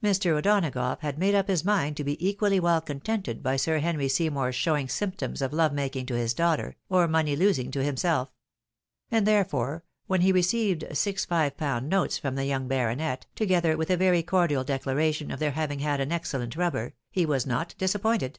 Mr. O'Donagough had made up his mind to be equally well contented by Sir Henry Seymour's showing symptoms of love making to his daughter, or money losing to himself ; and therefore, when he received six five pound notes from the young baronet, together with a very cordial declaration of their having had an excellent rubber, he was not disappointed.